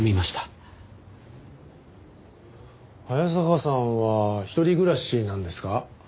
早坂さんは一人暮らしなんですか？